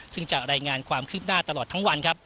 ซึ่งจะแนะนำความคืนมาตลอดทางวัน